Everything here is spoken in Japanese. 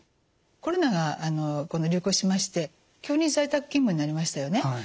コロナが流行しまして急に在宅勤務になりましたよね。